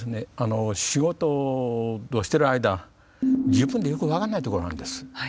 仕事をしてる間自分でよく分からないところがあるんです。